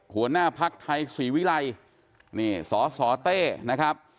หัวหน้าภักร์ทรัพย์สี่วิไลสชเต้นะครับ